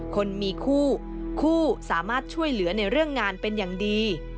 คนมีคู่คู่สามารถช่วยเหลือในเรื่องงานเป็นอย่างดี